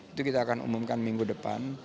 itu kita akan umumkan minggu depan